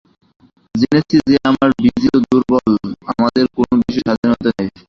জেনেছি যে আমরা বিজিত দুর্বল, আমাদের কোন বিষয়ে স্বাধীনতা নেই।